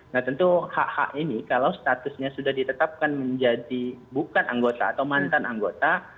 nah tentu hak hak ini kalau statusnya sudah ditetapkan menjadi bukan anggota atau mantan anggota